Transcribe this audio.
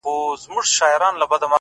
ځوان پر لمانځه ولاړ دی;